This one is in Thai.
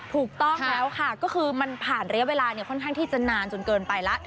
ถูกต้องแล้วค่ะก็คือมันผ่านระยะเวลาค่อนข้างที่จะนานจนเกินไปแล้ว